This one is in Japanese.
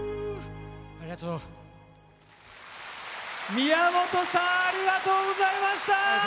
宮本さんありがとうございました！